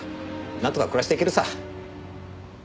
なんとか暮らしていけるさ。